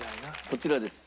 こちらです。